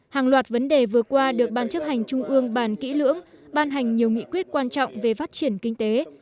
hàng loạt vấn đề vừa qua được ban chấp hành trung ương bàn kỹ lưỡng ban hành nhiều nghị quyết quan trọng về phát triển kinh tế